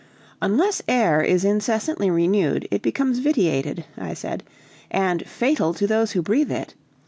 "Unless air is incessantly renewed it becomes vitiated," I said, "and fatal to those who breathe it.